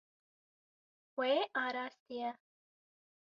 Wê arastiye.